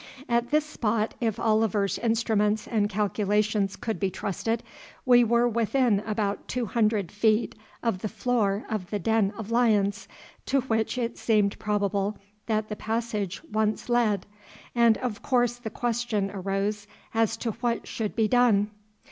At this spot, if Oliver's instruments and calculations could be trusted, we were within about two hundred feet of the floor of the den of lions, to which it seemed probable that the passage once led, and of course the question arose as to what should be done.